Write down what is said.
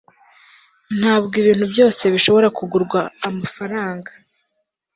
ntabwo ibintu byose bishobora kugurwa namafaranga